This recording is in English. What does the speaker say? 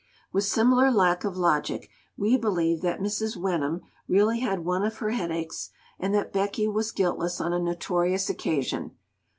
With similar lack of logic we believe that Mrs. Wenham really had one of her headaches, and that Becky was guiltless on a notorious occasion.